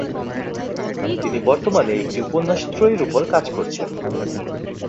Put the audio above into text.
তিনি বর্তমানে একটি উপন্যাস ত্রয়ীর উপর কাজ করছেন।